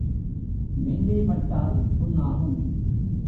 மேலே பட்டால் புண்ணாகும்.